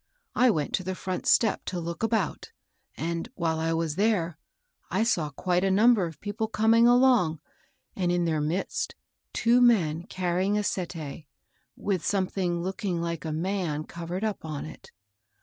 I went to the front step to look about, and, while I was there, I saw quite a number of people coming along, and, in their midst, two men carrying a settee, with something looking like a man covered up on it.